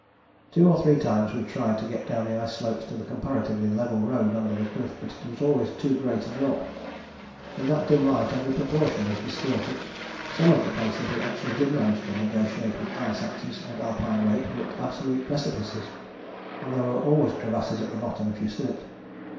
Two or three times we tried to get down the ice slopes to the comparatively level road under the cliff, but it was always too great a drop. In that dim light every proportion was distorted; some of the places we actually did manage to negotiate with ice axes and Alpine rope looked absolute precipices, and there were always crevasses at the bottom if you slipped.